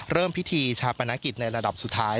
เริ่มพิธีชาปนกิจในระดับสุดท้าย